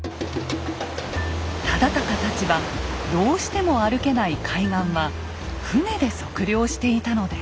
忠敬たちはどうしても歩けない海岸は船で測量していたのです。